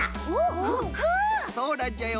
そうなんじゃよ。